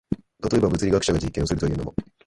例えば、物理学者が実験をするというのも、